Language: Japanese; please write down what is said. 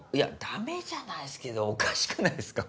ダメじゃないっすけどおかしくないですか？